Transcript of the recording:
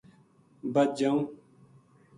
بچ جائوں